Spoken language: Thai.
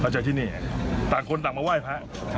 เจอที่นี่ต่างคนต่างมาไหว้พระ